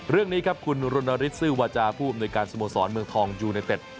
เรื่องนี้คุณรนาริสุวจาห์ผู้อำนวยการสมสรรค์เมืองทองยูเนเต็ด